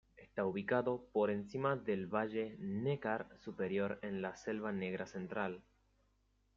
Está ubicado por encima del valle del Neckar Superior en la Selva Negra Central.